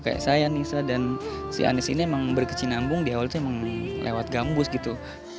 kayak saya nisa dan si anies ini emang berkecinambung di awal itu emang lewat gambus gitu